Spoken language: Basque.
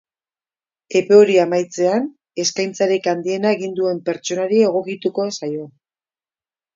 Epe hori amaitzean, eskaintzarik handiena egin duen pertsonari egokituko zaio.